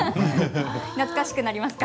懐かしくなりますか。